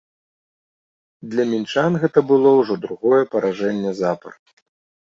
Для мінчан гэта было ўжо другое паражэнне запар.